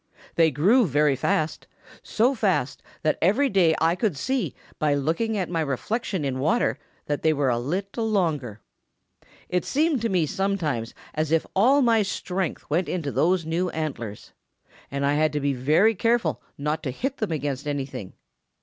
They grew very fast, so fast that every day I could see by looking at my reflection in water that they were a little longer. It seemed to me sometimes as if all my strength went into those new antlers. And I had to be very careful not to hit them against anything.